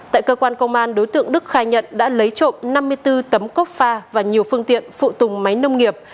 tại cơ quan công an đối tượng đức khai nhận đã lấy trộm năm mươi bốn tấm cốc pha và nhiều phương tiện phụ tùng máy nông nghiệp